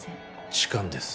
痴漢です